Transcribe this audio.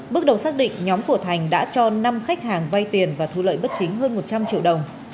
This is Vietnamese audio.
nguyễn tiến thành đã cho năm khách hàng vay tiền và thu lợi bất chính hơn một trăm linh triệu đồng